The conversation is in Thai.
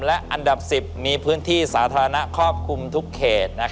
และอันดับ๑๐มีพื้นที่สาธารณะครอบคลุมทุกเขต